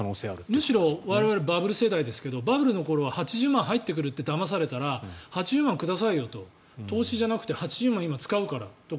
むしろ我々バブル世代ですがバブルの頃は８０万円入ってくるとだまされたら８０万くださいよと投資じゃなくて８０万を今、使うからと。